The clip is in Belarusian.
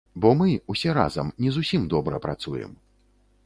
Бо мы, усе разам, не зусім добра працуем.